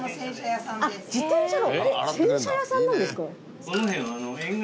自転車の洗車屋さんなんですか。